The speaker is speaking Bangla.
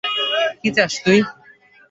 কী চাস তুই?